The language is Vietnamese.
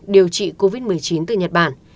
điều trị covid một mươi chín từ nhật bản